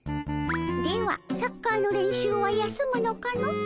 ではサッカーの練習は休むのかの？